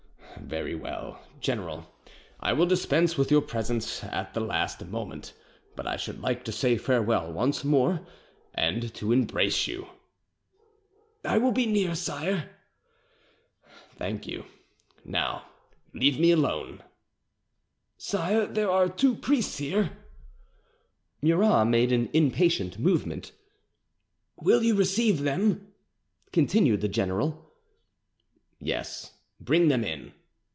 "Very well, general. I will dispense with your presence at the last moment, but I should like to say farewell once more and to embrace you." "I will be near, sire." "Thank you. Now leave me alone." "Sire, there are two priests here." Murat made an impatient movement. "Will you receive them?" continued the general. "Yes; bring them in."